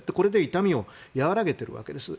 痛みを和らげているわけです。